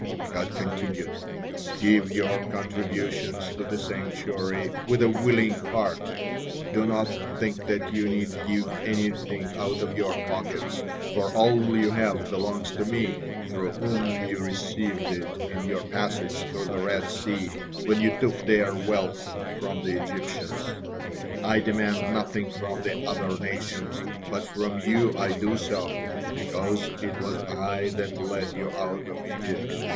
'" God continued: "Give your contributions to the sanctuary with a willing heart. Do not think that you need give anything out of your pockets, for all you have belongs to Me, through whom you received it in you passage through the Red Sea, when you took their wealth from the Egyptians. I demand nothing from the other nations, but from you I do so, because it was I that led you out of Egypt.